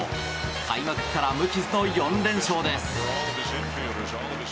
開幕から無傷の４連勝です。